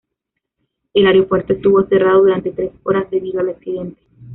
El aeropuerto estuvo cerrado durante tres horas debido al accidente.